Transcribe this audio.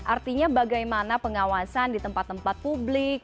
artinya bagaimana pengawasan di tempat tempat publik